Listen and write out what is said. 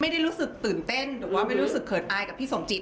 ไม่ได้รู้สึกตื่นเต้นหรือว่าไม่รู้สึกเขินอายกับพี่สมจิต